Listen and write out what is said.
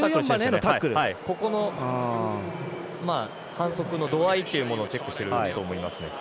反則の度合いというものをチェックしてると思います。